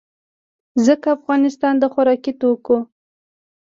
ځکه افغانستان د خوراکي توکو